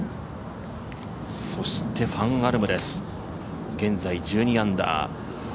そしてファン・アルムです、現在１２アンダー。